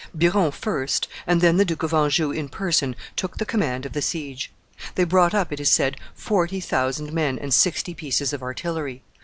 Biron first and then the Duke of Anjou in person took the command of the siege. They brought up, it is said, forty thousand men and sixty pieces of artillery.